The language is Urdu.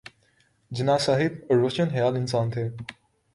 جناح صاحب روشن خیال انسان تھے۔